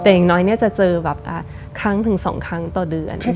แต่อย่างน้อยจะเจอแบบครั้งถึง๒ครั้งต่อเดือน